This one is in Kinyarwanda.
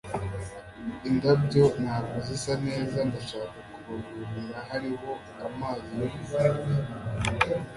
indabyo ntabwo zisa neza. ndashaka kubavomera. hariho amazi yo kuvomera